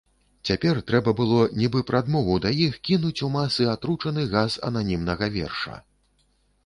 Цяпер трэба было, нібы прадмову да іх, кінуць у масы атручаны газ ананімнага верша.